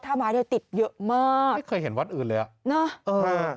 ไม้เนี่ยติดเยอะมากไม่เคยเห็นวัดอื่นเลยอ่ะเนอะเออ